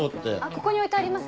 ここに置いてあります。